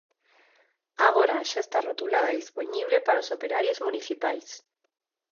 Agora xa está rotulada e dispoñible para os operarios municipais.